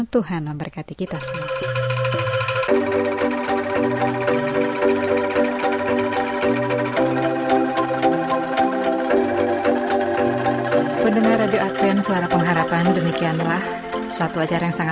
tuhan memberkati kita semua